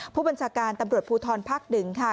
ผู้บัญชาการตำรวจภูทรภักดิ์๑ค่ะ